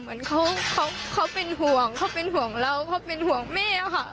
เหมือนเขาเป็นห่วงเขาเป็นห่วงเราเขาเป็นห่วงแม่ค่ะ